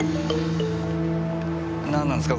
何なんですか？